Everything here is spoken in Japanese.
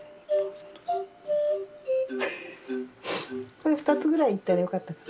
これ２つぐらいいったらよかったかな。